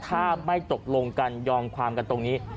ถ้าไม่ตกลงกันยอมความกันตรงนี้